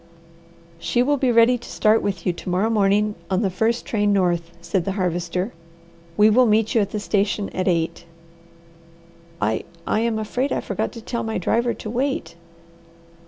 "She will be ready to start with you to morrow morning, on the first train north," said the Harvester. "We will meet you at the station at eight." "I I am afraid I forgot to tell my driver to wait."